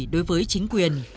đối với chính quyền